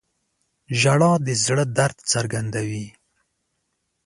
• ژړا د زړه درد څرګندوي.